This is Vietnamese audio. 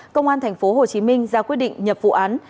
công an tp hcm ra quyết định nhập vụ án